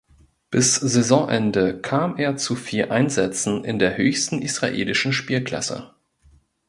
Bis Saisonende kam er zu vier Einsätzen in der höchsten israelischen Spielklasse.